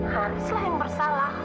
harislah yang bersalah